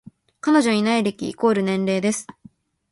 彼女いない歴イコール年齢です